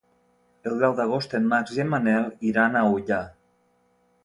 El deu d'agost en Max i en Manel iran a Ullà.